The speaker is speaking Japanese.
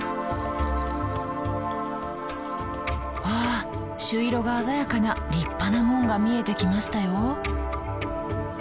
あっ朱色が鮮やかな立派な門が見えてきましたよ。